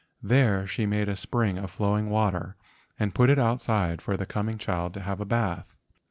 There she made a spring of flowing water and put it outside for the coming child to have as a bath.